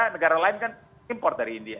negara lain kan import dari india